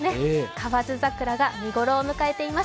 河津桜が見頃を迎えています。